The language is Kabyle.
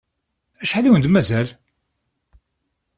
Acḥal i wen-d-mazal?